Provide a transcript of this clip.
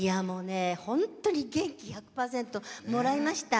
本当に元気１００％もらいました。